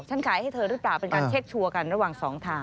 ขายให้เธอหรือเปล่าเป็นการเช็คชัวร์กันระหว่างสองทาง